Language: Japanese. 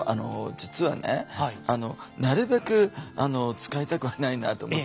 実はねなるべく使いたくはないなと思ってるんですけどね